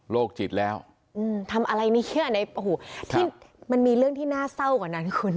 โรคจิตแล้วอืมทำอะไรเงี้ยในอูหูที่มันมีเรื่องที่น่าเศร้ากว่านั้นคุณ